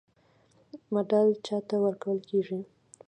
مډال چا ته ورکول کیږي؟